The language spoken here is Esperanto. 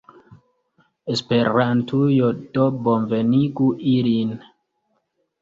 Esperantujo do bonvenigu ilin!